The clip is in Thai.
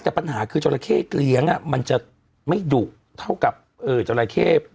แต่ปัญหาคือจราเข้เลี้ยงมันจะไม่ดุเท่ากับจราเข้